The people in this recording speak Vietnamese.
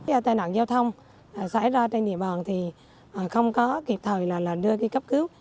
cái tai nạn giao thông xảy ra trên địa bàn thì không có kịp thời là đưa đi cấp cứu